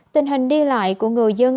tình hình đi lại của người dân